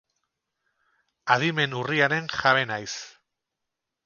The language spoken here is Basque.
Adimen urriaren jabe naiz.